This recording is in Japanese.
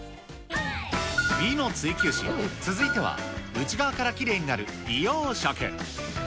美の追求史、続いては内側からきれいになる美容食。